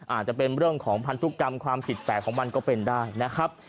อาจจะเป็นเรื่องของพันธุกรรมความผิดแปลกของมันก็เป็นได้นะครับ